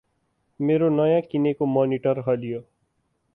मेरो नयाँ किनेको मनिटर हल्लियो ।